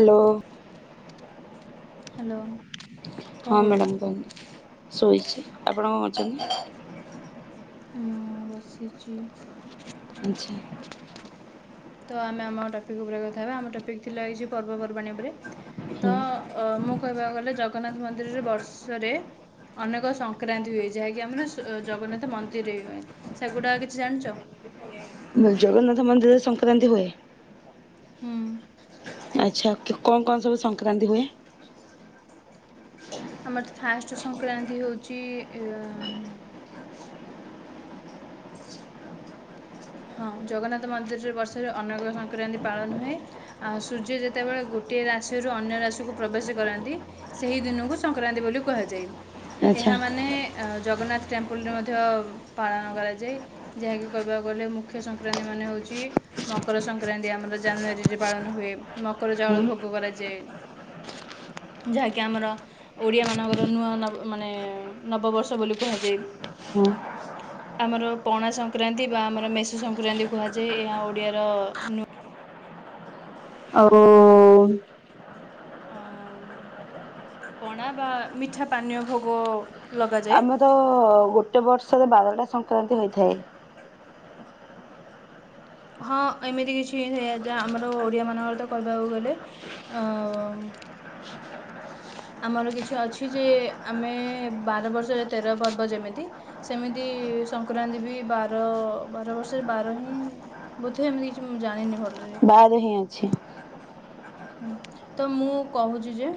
Hello. Hello. ହଁ madam କୁହନ୍ତୁ। ଶୋଇଚି ଆପଣ କଣ କରୁଚନ୍ତି? ମୁଁ ବସିଚି। ଆଚ୍ଛା। ତ ଆମେ ଆମ ଟପିକ୍ ଉପରେ କଥା ହେବା। ଆମ ଟପିକ୍ ଥିଲା ଏଇ ଯୋଉ ପର୍ବପର୍ବାଣି ଉପରେ ତ ହୁଁ ମୁଁ କହିବାକୁ ଗଲେ ଜଗନ୍ନାଥ ମନ୍ଦିରରେ ବର୍ଷରେ ଅନେକ ସଂକ୍ରାନ୍ତି ହୁଏ। ଯାହାକି ଆମେ ନା ଜଗନ୍ନାଥ ମନ୍ଦିରେ ହୁଏ। ସେଗୁଡ଼ା କିଛି ଜାଣିଚ? ଜଗନ୍ନାଥ ମନ୍ଦିରରେ ସଂକ୍ରାନ୍ତି ହୁଏ। ହୁଁ। ଆଚ୍ଛା କଣ କଣ ସବୁ ସଂକ୍ରାନ୍ତି ହୁଏ? ଆମର ତ ଫାଷ୍ଟ ସଂକ୍ରାନ୍ତି ହଉଚି ହଁ ଜଗନ୍ନାଥ ମନ୍ଦିରରେ ବର୍ଷରେ ଅନେକ ସଂକ୍ରାନ୍ତି ପାଳନ ହୁଏ। ଆ ସୂର୍ଯ୍ୟ ଯେତେବେଳେ ଗୋଟିଏ ରାଶିରୁ ଅନ୍ୟ ରାଶିକୁ ପ୍ରବେଶ କରନ୍ତି ସେହି ଦିନକୁ ସଂକ୍ରାନ୍ତି ବୋଲି କୁହାଯାଏ। ଆଚ୍ଛା ଏହା ମାନେ ଏ ଜଗନ୍ନାଥ ଟେମ୍ପୂଲରେ ମଧ୍ୟ ପାଳନ କରାଯାଏ। ଯାହାକି କହିବାକୁ ଗଲେ ମୁଖ୍ୟ ସଂକ୍ରାନ୍ତି ମାନେ ହଉଚି ମକର ସଂକ୍ରାନ୍ତି ଆମର ଜାନୁଆରୀରେ ପାଳନ ହୁଏ। ମକର ହୁଁ ଚାଉଳ ଭୋଗ କରାଯାଏ। ଯାହାକି ଆମର ଓଡ଼ିଆ ମାନଙ୍କର ନୂଆ ନ ମାନେ ନବବର୍ଷ ବୋଲି କୁହାଯାଏ। ହୁଁ ଆମର ପଣା ସଂକ୍ରାନ୍ତି ବା ଆମର ମେଷ ସଂକ୍ରାନ୍ତି କୁହାଯାଏ। ଏହା ଓଡିଆର ଆଉ ଅ ପଣା ବା ମିଠା ପାନ୍ୟ ଭୋଗ ଲଗାଯାଏ। ଆମେ ତ ଗୋଟେ ବର୍ଷରେ ବାରଟା ସଂକ୍ରାନ୍ତି ହୋଇଥାଏ। ହଁ ଏମିତି କିଛି ଯାହା ଆମର ଓଡିଆ ମାନଙ୍କର ତ କହିବାକୁ ଗଲେ ଅ ଆମର କିଛି ଅଛି ଯେ ଆମେ ବାର ବର୍ଷରେ ତେର ପର୍ବ ଯେମିତି ସେମିତି ସଂକ୍ରାନ୍ତି ବି ବାର ବାର ବର୍ଷରେ ବାର ହିଁ ବୋଧେ ଏମିତି କିଛି ମୁଁ ଜାଣିନି ଭଲ ବାଦ୍ ହିଁ ଅଛି। ହୁଁ ତ ମୁଁ କହୁଚି ଯେ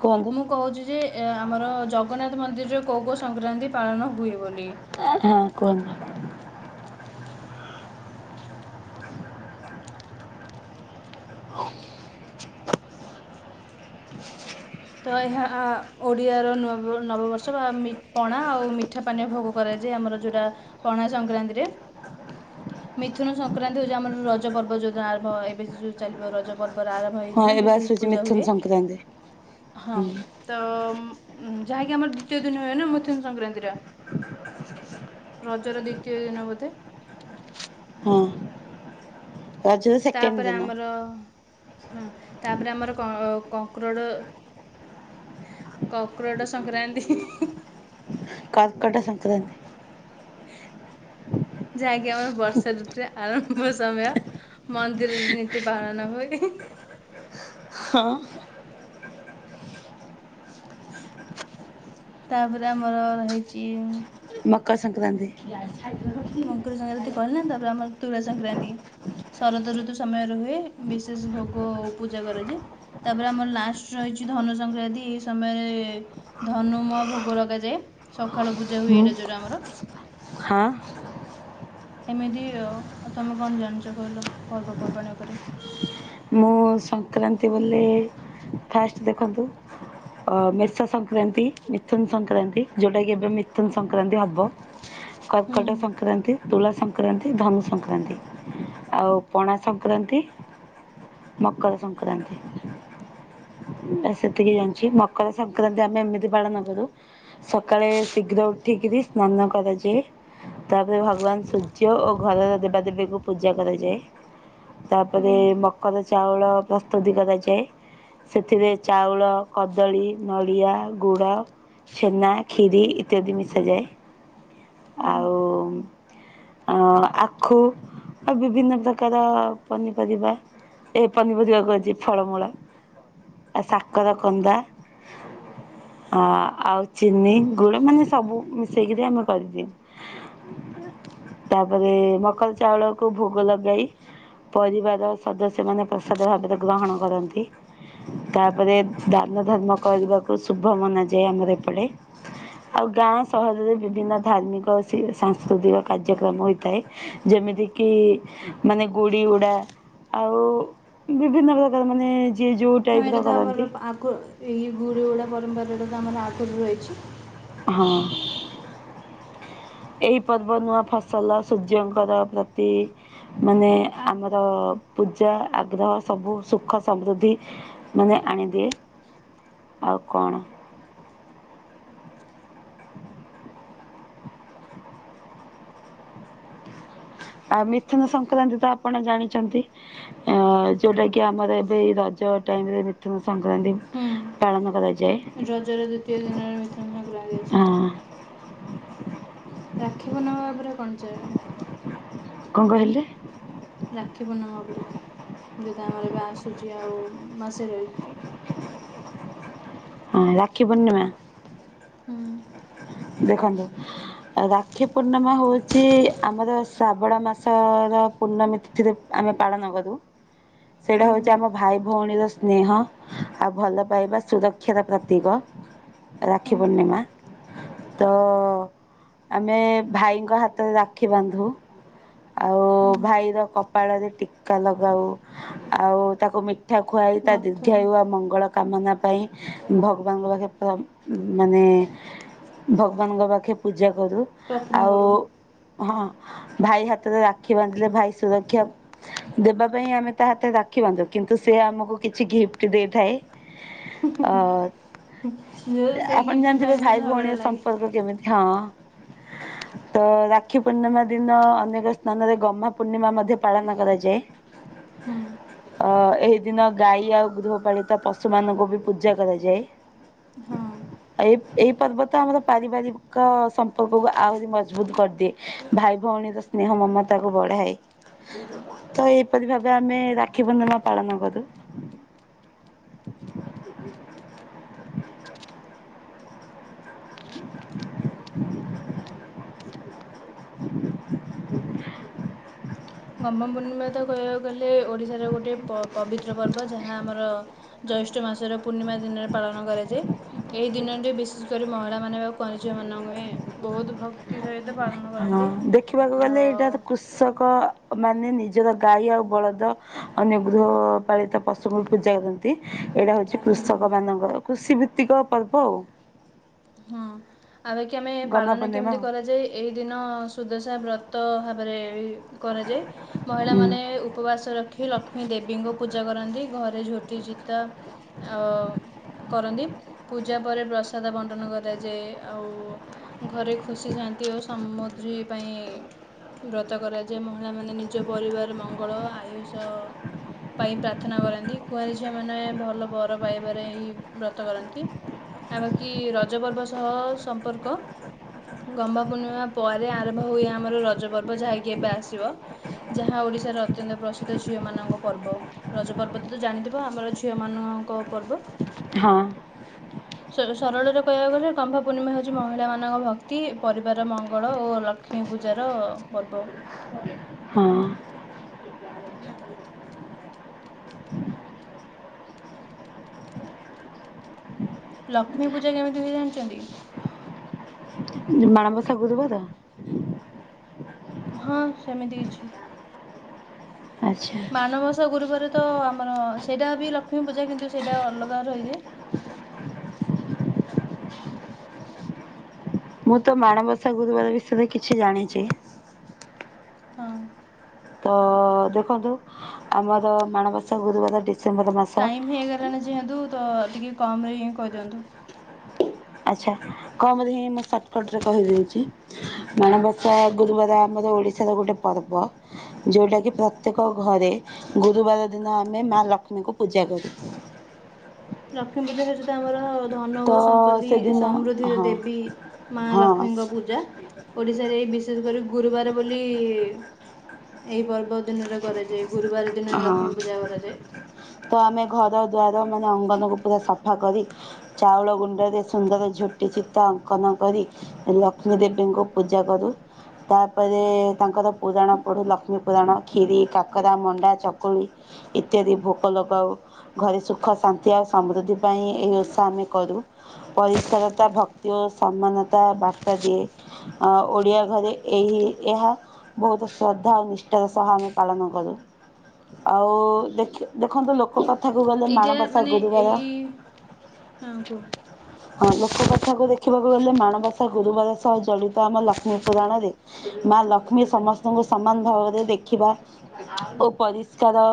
କୁହନ୍ତୁ ମୁଁ କହୁଚି ଯେ ଆମର ଜଗନ୍ନାଥ ମନ୍ଦିରରେ କୋଉ କୋଉ ସଂକ୍ରାନ୍ତି ପାଳନ ହୁଏ ବୋଲି ହଁ କୁହନ୍ତୁ। ତ ଏହା ଓଡ଼ିଆର ନବନବବର୍ଷ ବା ମି ପଣା ଆଉ ମି ଠା ପାନୀୟ ଭୋଗ କରାଯାଏ ଆମର ଯୋଉଟା ପଣା ସଂକ୍ରାନ୍ତିରେ। ମିଥୁନ ସଂକ୍ରାନ୍ତି ହଉଚି ଆମର ରଜ ପର୍ବ ଯୋଉ ଆରମ୍ଭ ଏବେ ଯଉ ଚାଲିବ ରଜ ପର୍ବର ଆରମ୍ଭ ଶେଇ ହଁ ଦିନ ଏବେ ବିଶେଷ ଆସୁଛି ପୂଜା ମିଥୁନ ହୁଏ ସଂକ୍ରାନ୍ତି ହଁ। ହୁଁ ତ ଯାହାକି ଆମର ଦୁତୀୟ ଦିନ ହୁଏ ନା ମଥୁନ ସଂକ୍ରାନ୍ତିତ ଟା। ରଜର ଦ୍ୱତୀୟ ଦିନ ବୋଧେ? ହଁ। ରଜର ସେକେଣ୍ଡ ତାପରେ ଦିନ ଆମର ହଁ ତାପରେ ଆମର କଙ୍କରୋଡ଼ କଙ୍କକ୍ରୋଟ ସଂକ୍ରାନ୍ତି। କର୍କଟ ସଂକ୍ରାନ୍ତି। ଯାହାକି ଆମର ବର୍ଷା ଋତୁରେ ଆରମ୍ଭ ସମୟ। ମନ୍ଦିରରେ ନୀତି ପାଳନ ହୁଏ। ହଁ। ତାପରେ ଆମର ହେଇଚି ମକର ସଂକ୍ରାନ୍ତି। ମକର ସଂକ୍ରାନ୍ତି କହିଲ ନା ତାପରେ ଆମର ତୁଳା ସଂକ୍ରାନ୍ତି। ଶରଦ ଋତୁ ସମୟରେ ହୁଏ ବିଶେଷ ଭୋଗ ଓ ପୂଜା କରାଯାଏ। ତାପରେ ଆମର ଲାଷ୍ଟ ରହିଚି ଧନୁ ସଂକ୍ରାନ୍ତି ଏ ସମୟରେ ଧନୁ ମୁଆଁ ଭୋଗ ଲଗାଯାଏ, ସକାଳୁ ପୂଜା ହୁଏ ହଁ ଏଇଟା ଯୋଉଟା ଆମର। ହଁ। ଏମିତି ତୁମେ କଣ ଜାଣିଛ କହିଲ ପର୍ବପର୍ବାଣି ଉପରେ? ମୁଁ ସଂକ୍ରାନ୍ତି ବୋଲି ଫାଷ୍ଟ ଦେଖନ୍ତୁ ଅ ମେଷା ସଂକ୍ରାନ୍ତି ମିଥୁନ ସଂକ୍ରାନ୍ତି ଯୋଉଟା କି ଏବେ ମିଥୁନ ସଂକ୍ରାନ୍ତି ହବ। [unintelligible] କର୍କଟ ସଂକ୍ରାନ୍ତି ସଂକ୍ରାନ୍ତି ତୁଳା ସଂକ୍ରାନ୍ତି ଧନୁ ସଂକ୍ରାନ୍ତି ଆଉ ପଣା ସଂକ୍ରାନ୍ତି। ମକର ସଂକ୍ରାନ୍ତି। ସେତିକି ଜାଣିଚି ମକର ସଂକ୍ରାନ୍ତି ଆମେ ଏମିତି ପାଳନ କରୁ। ସକାଳେ ଶୀଘ୍ର ଉଠିକିରି ସ୍ନାନ କରାଯାଏ। ତାପରେ ଭଗବାନ ସୂର୍ଯ୍ୟ ଓ ଘରର ଦେବାଦେବୀଙ୍କୁ ପୂଜା କରାଯାଏ। ହୁଁ ତାପରେ ମକର ଚାଉଳ ପ୍ରସ୍ତୁତି କରାଯାଏ। ସେଥିରେ ଚାଉଳ କଦଳୀ ନଡ଼ିଆ ଗୁଡ଼ ଛେନା ଖିରି ଇତ୍ୟାଦି ମିଶାଯାଏ ହୁଁ ଆଉ ଆ ଆଖୁ ଆଉ ବିଭିନ୍ନ ପ୍ରକାର ପନିପରିବା ଏ ପନିପରିବା କହୁଚି ଫଳମୂଳ ଆଉ ସାକର କନ୍ଦା ଆ ଆଉ ଚିନି ଗୁଡ ମାନେ ସବୁ ମିଶେଇକିରି ଆମେ କରିଦୋଉ। [unintelligible] ତାପରେ ମକର ଚାଉଳକୁ ଭୋଗ ଲଗାଇ ପରିବାର ସଦସ୍ୟମାନେ ପ୍ରସାଦ ଭାବରେ ଗ୍ରହଣ କରନ୍ତି ତାପରେ ଦାନ ଧର୍ମ କରିବାକୁ ଶୁଭ ମନାଯାଏ ଆମର ଏପଟେ। [unintelligible] ଆଉ ଗାଁ ସହରରେ ବିଭିନ୍ନ ଧାର୍ମିକ ସାଂସ୍କୃତିକ କାର୍ଯ୍ୟକ୍ରମ ହୋଇଥାଏ। ଯେମିତି କିି ମାନେ ଗୁଡି ଉଡା ଆଉ ବିଭିନ୍ନ ପ୍ରକାର ମାନେ ଯିଏ ଯେଉଁ ହଁ ଏଇଟା ତ ଆମର ଆଗ ଏଇ ଗୁଡ ଗୁଡା ପରମ୍ପରାଟା ତ ଆମର ଆଗରୁ ରହିଚି। ହଁ। ଏଇ ପର୍ବ ନୂଆ ଫସଲ ସୂର୍ଯ୍ୟଙ୍କର ପ୍ରତି ମାନେ ଆମର ପୂଜା ଆଗ୍ରହ ସବୁ ସୁଖ ସମୃଦ୍ଧି ମାନେ ଆଣିଦିଏ ଆଉ କଣ। ଆଉ ମିଥୁନ ସଂକ୍ରାନ୍ତି ତ ଆପଣ ଜାଣିଛନ୍ତି। ଅ ଯୋଉଟା କି ଆମର ଏବେ ରଜ ଟାଇମ ରେ ମିଥୁନ ସଂକ୍ରାନ୍ତି ହୁଁ ପାଳନ କରାଯାଏ ରଜର ଦ୍ଵିତୀୟ ଦିନରେ ମିଥୁନ ସଂକ୍ରାନ୍ତି ଅଛି। ହଁ ରାକ୍ଷୀ ପୂର୍ଣ୍ଣମା ଉପରେ କଣ [unintelligible] କଣ କହିଲେ? ରାକ୍ଷୀ ପୂର୍ଣ୍ମା ଉପରେ ଯଦି ଆମର ଏବେ ଆସୁଛି ଆଉ ମାସେ ରହିଚି। ରାକ୍ଷୀ ପୂର୍ଣ୍ଣମା। ହୁଁ। ଦେଖନ୍ତୁ। ରାକ୍ଷୀ ପୂର୍ଣ୍ଣିମା ହଉଛି ଆମର ଶ୍ରାବଣ ମାସର ପୂର୍ଣ୍ଣମୀ ତିଥିରେ ଆମେ ପାଳନ କରୁ ସେଇଟା ହୁଁ ହଉଛି ଆମ ଭାଇ ଭଉଣୀର ସ୍ନେହ ଆଉ ଭଲ ପାଇବା ସୁରକ୍ଷାର ପ୍ରତୀକ ହୁଁ ରାକ୍ଷୀ ପୂର୍ଣ୍ଣିମା ତ ଆମେ ଭାଇଙ୍କ ହାତରେ ରାକ୍ଷୀ ବାନ୍ଧୁ। ଆଉ ହୁଁ ଭାଇର କପାଳରେ ଟିକା ଲଗାଉ ଆଉ [unintelligible] କଥା ଖୁଆଇ ତା ମଥାରେ ଦୀର୍ଘାୟୁଆ ମଙ୍ଗଳ କାମନା ପାଇଁ ଭଗବାନଙ୍କ ପାଖେ ମାନେ ଭଗବାନଙ୍କ ପାଖେ ପୂଜା କରୁ ପ୍ରାର୍ଥନା ଆଉ କରୁ। ହଁ। ଭାଇ ହାତରେ ରାକ୍ଷୀ ବାନ୍ଧିଲେ ଭାଇ ସୁରକ୍ଷା ଦେବା ପାଇଁ ଆମେ ତା ହାତରେ ରାକ୍ଷୀ ବାନ୍ଧୁ କିନ୍ତୁ ସେ ଆମକୁ କିଛି ଗିଫ୍ଟ ଦେଇଥାଏ। [unintelligible] ସେଇ ଅ ଆପଣ ଗିଫ୍ଟ ଜାଣିଥିବେ ପାଇଁ ବି ଭାଇ ଝଗଡ଼ା ଭଉଣୀର ଲାଗେ। ସମ୍ପର୍କ କେମିତି ହଁ। [inaudible] ତ ରାକ୍ଷୀ ପୂର୍ଣ୍ଣିମା ଦିନ ଅନେକ ସ୍ଥାନରେ ଗହ୍ମା ପୂର୍ଣ୍ଣିମା ମଧ୍ୟ ପାଳନ କରାଯାଏ। ହୁଁ। ଅ ଏହି ଦିନ ଗାଈ ଆଉ ଗୃହପାଳିତ ପଶୁ ମାନଙ୍କୁ ବି ପୂଜା କରାଯାଏ। ହଁ। ଆ ଏଇ ଏଇ ପର୍ବତ ଆମର ପାରିବାରିକ ସମ୍ପର୍କକୁ ଆହୁରି ମଜବୁତ କରିଦିଏ। ଭାଇ ଭଉଣୀର ସ୍ନେହ ମମତାକୁ ବଢ଼ାଏ। ତ ଏହୀ ପରି ଭାବେ ଆମେ ରାକ୍ଷୀ ପୂର୍ଣ୍ଣିମା ପାଳନ କରୁ। [inaudible] [inaudible] [unintelligible] ପୂର୍ଣ୍ଣିମା ତ କହିବାକୁ ଗଲେ ଓଡ଼ିଶାର ଗୋଟେ ପବିତ୍ର ପର୍ବ ଯାହା ଆମର ଜ୍ୟୈଷ୍ଠ ମାସର ପୂର୍ଣ୍ଣିମା ଦିନରେ ପାଳନ କରାଯାଏ। ଏହି ଦିନରେ ବିଶେଷ କରି ମହିଳାମାନେ ବାଉ କନଝିଅ ମାନଙ୍କ ବହୁତ ଭକ୍ କ୍ତୀ ସହିତ ପାଳନ କରନ୍ତି ଆଉ ଷକ ମାନେ ନିଜର ଗାଈ ଆଉ ବଳଦ ଅନ୍ୟ ଗୃହ ପାଳିତ ପଶୁଙ୍କୁ ପୂଜା କର ନ୍ତି ଏଇଟା ହଉଛି କୃଷକ ମାନଙ୍କ କୃଷି ଭିତ୍ତିକ ପର୍ବ ଆଉ ହଁ ଆଉ ଏ କି ଆମେ ଗହ୍ମା ପାଳନ ପୂର୍ଣ୍ଣିମା କେମିତି ଆଉ। କରାଯାଏ? ଏହି ଦିନ ସୁଦଶା ବ୍ରତ ଭାବରେ କରାଯାଏ ମହିଳାମାନେ ଉପବାସ ରଖି ଲକ୍ କ୍ଷ୍ମୀ ଦେବୀଙ୍କ ପୂଜା କରନ୍ତି ଘରେ ଝୋଟି ଚିତା ଆଉ କରନ୍ତି ପୂଜା ପରେ ପ୍ରସାଦ ବଣ୍ ଣ୍ଟନ କରାଯାଏ ଆଉ ଘରେ ଖୁସି ଥାଆନ୍ତି ଓ ସମୁଧ୍ରୀ ପାଇଁ ବ୍ରତ କରାଯାଏ ମହିଳାମାନେ ନିଜ ପରିବାର ମଙ୍ଗଳ ଆୟୁଷ ପାଇଁ ପ୍ରାର୍ଥନା କରନ୍ତି କୁଆଁରୀ ଝିଅମାନେ ଭଲ ବର ପାଇବାରେ ହିଁ ବ୍ରତ କରନ୍ତି। ଆମକି ରଜ ପର୍ବ ସହ ସମ୍ପର୍କ [unintelligible] ପୂର୍ଣ୍ଣିମା ପରେ ଆରମ୍ଭ ହୁଏ ଆମର ରଜପର୍ବ ଯାହାକି ଏବେ ଆସିବ। ଯାହା ଓଡ଼ିଶାର ଅତ୍ୟନ୍ତ ପ୍ରସିଦ୍ଧ ଝିଅମାନଙ୍କ ପର୍ବ। ରଜ ପର୍ବ ତ ତୁ ଜାଣିଥିବ ଆମର ଝିଅ ମାନଙ୍କ ପର୍ବ। ହଁ। ସର ସରଳରେ କହିବାକୁ ଗଲେ କମ୍ଭା ପୂର୍ଣ୍ଣିମା ହଉଛି। ମହିଳା ମାନଙ୍କ ଭକ୍ତି ପରିବାର ମଙ୍ଗଳ ଓ ଲଖ ହିଁ ପୂଜାର ପର୍ବ। ହଁ,। ଲକ୍ଷ୍ମୀ ପୂଜା କେମିତି ହୁଏ ଜାଣିଛନ୍ତି? ମାଣବସା ଗୁରୁବାର? ହଁ ସେମିତି କିଛି ଆଚ୍ଛା ମାଣବାସା ଗୁରୁବାର ତ ଆମର ସେଇଟାବି ଲକ୍ଷ୍ମୀ ପୂଜା କିନ୍ତୁ ସେଇଟା ଅଲଗା ରହି ଯାଏ ମୁଁତ ମାଣବସା ଗୁରୁବାର ବିଷୟରେ କିଛି ଜାଣିଛି। ହଁ। ତ ଦେଖନ୍ତୁ ଆମର ମାଣବସା ଗୁରୁବାର ଡିସେମ୍ବର ମାସ ଟାଇମ ହେଇଗଲାଣି ଯେହେତୁ ତ ଟିକେ କମରେ ହିଁ କହିଦିଅନ୍ତୁ। ଆଚ୍ଛା କମରେହିଁ ମୁଁ ଶାଟକଟ ରେ କହିଦେଉଛି। ମାଣବସା ଗୁରୁବାର ଆମର ଓଡିଶାର ଗୋଟେ ପର୍ବ। ଯୋଉଟା କି ପ୍ରତ୍ୟେକ ଘରେ ଗୁରୁବାର ଦିନ ଆମେ ମା ଲକ୍ଷ୍ମୀଙ୍କୁ ପୂଜା କରୁ ଲକ୍ଷ୍ମୀ ପୂଜା ଯେହେତୁ ହର ଧନ ତ ଓ ସମ୍ପତ୍ତି ସେଦିନ ସମୃଦ୍ଧିର ହଁ ଦେବୀ ମା ହଁ ଲକ୍ଷ୍ମୀଙ୍କ ପୂଜା, ଓଡ଼ିଶାରେ ଏଇ ବିଶେଷ କରି ଗୁରୁବାର ବୋଲି-ଇ ଏଇ ପର୍ବ ଦିନରେ କରାଯାଏ। ଗୁରୁବାର ଦିନ ହିଁ ହଁ ଲକ୍ଷ୍ମୀପୂଜା କରାଯାଏ। ତ ଆମେ ଘର ଦ୍ୱାର ମାନେ, ଅଙ୍ଗନକୁ ପୁରା ସଫାକରି ଚାଉଳ ଗୁଣ୍ଡରେ ସୁନ୍ଦର ଝୋଟି ଚିତା ଅଙ୍କନ କରି ଲକ୍ଷ୍ମୀ ଦେବୀଙ୍କୁ ପୂଜାକରି ତା'ପରେ-ଏ ତାଙ୍କର ପୁରାଣ ପଢୁ, ଲକ୍ଷ୍ମୀ ପୁରାଣ। କ୍ଷୀରି, କାକରା, ମଣ୍ଡା ଚକୁଳି ଇତ୍ୟାଦି ଭୋଗ ଲଗାଉ। ଘରେ ସୁଖ ଶାନ୍ତି ଆଉ ସମୃଦ୍ଧି ପାଇଁ ଏହି ଓଷା ଆମେ କରୁ। ପରିଷ୍କାରତା ଭକ୍ତି ଓ ସମ୍ମାନତା ବାର୍ତ୍ତା ଦିଏ। ଆ ଓଡ଼ିଆ ଘରେ ଏହି, ଏହା ବହୁତ, ଶ୍ରଦ୍ଧା ଆଉ ନିଷ୍ଠାର ସହ ଆମେ ପାଳନକରୁ। ଆଉ, ଦେଖି ଦେଖନ୍ତୁ ଲୋକକଥ୍ ଏଇଟା ମାନେ ଏଇ-ଇ ହଁ କୁହ। ହଁ, ଲୋକ କଥାକୁ ଦେଖିବାକୁ ଗଲେ, ମାଣବସା ଗୁରୁବାର ସହ ଜଡ଼ିତ ଆମ ଲକ୍ଷ୍ମୀ ପୁରାଣରେ ମା ଲକ୍ଷ୍ମୀ ସମସ୍ତଙ୍କୁ, ସମାନ ଭାବରେ ଦେଖିବା ଓ ପରିଷ୍କାର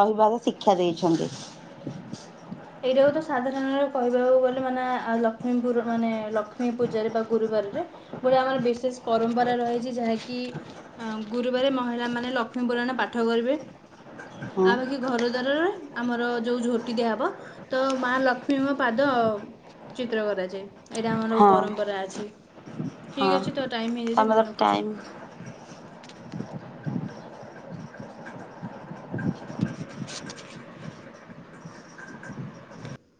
ରହିବାର ଶିକ୍ଷା ଦେଇଛନ୍ତି। ଏଇଟାକୁତ ସାଧାରଣଣରେ କହିବାକୁ ଗଲେ, ମାନେ ଆ ଲକ୍ଷ୍ମୀପୁରଣ ମାନେ ଲକ୍ଷ୍ମୀ ପୂଜାରେ ପା ଗୁରୁବାରରେ ଗୋଟେ ଆମର ବିଶେଷ ପରମ୍ପରା ରହିଛି, ଯାହାକି ଆଁ ଗୁରୁବାରେ ମହିଳାମାନେ ଲକ୍ଷ୍ମୀ ପୁରାଣ ପାଠକରିବେ। ହଁ ଆ ବାକି ଘର ଦ୍ୱାରର ଆମର ଯଉ ଝୋଟି ଦିଆହବ ତ ମା ଲକ୍ଷ୍ମୀମ ପାଦ ଚିତ୍ର କରାଯାଏ। ଏଇଟା ଆମର ହଁ ପରମ୍ପରା ଅଛି। ହଁ ଠିକ୍ଅଛି, ତୋ ଟାଇମ୍ ହେଇଯାଇଛି ଆମର ଦେନ୍ ରଖୁଛି। ଟାଇମ୍